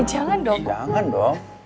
iya jangan dong